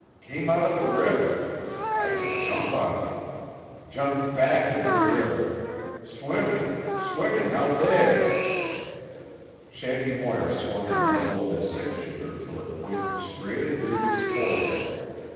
Came out of the river. Tried to jump on me. Jumped back into the river. Swimming—swimming out there." Shanty Moir swung the muzzle of his six shooter till it pointed straight at Reivers's forehead.